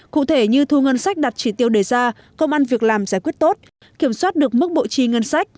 cụ thể như thu ngân sách đạt chỉ tiêu đề ra công an việc làm giải quyết tốt kiểm soát được mức bộ chi ngân sách